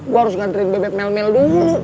gue harus nganterin bebek melmel dulu